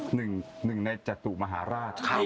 เป็นหนึ่งในจตุมหาราชครับ